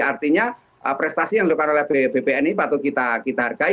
artinya prestasi yang dilakukan oleh bpn ini patut kita hargai